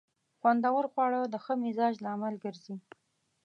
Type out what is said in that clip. خوندور خواړه د ښه مزاج لامل ګرځي.